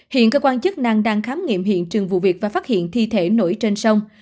hiện cơ quan chức năng đang khám nghiệm hiện trường vụ việc và phát hiện thi thể nổi trên sông